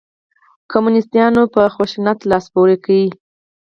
کمونسیتانو په خشونت لاس پورې کړ.